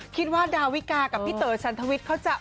คิดว่าดาวิกากับพี่เต๋อชันทวิทย์เขาจะ